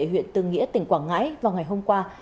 huyện tư nghĩa tỉnh quảng ngãi vào ngày hôm qua